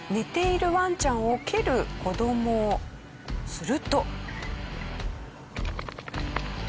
すると。